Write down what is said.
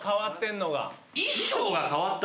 衣装が変わった？